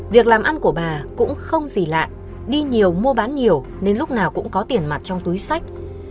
việc làm ăn của bà cũng không gì lạ đi nhiều mua bán nhiều nên lúc nào cũng có tiền mặt trong túi sách